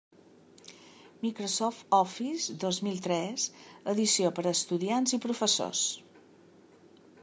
Microsoft Office dos mil tres, edició per a estudiants i professors.